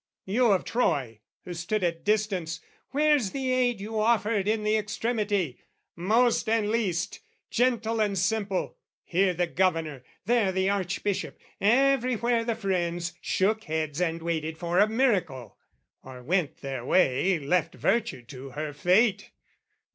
You Of Troy, who stood at distance, where's the aid You offered in the extremity? Most and least, Gentle and simple, here the Governor, There the Archbishop, everywhere the friends, Shook heads and waited for a miracle, Or went their way, left Virtue to her fate.